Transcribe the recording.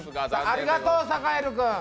ありがとうサカエル君。